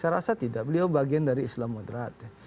saya rasa tidak beliau bagian dari islam moderat